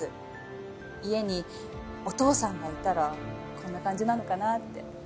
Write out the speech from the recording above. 家にお父さんがいたらこんな感じなのかなって。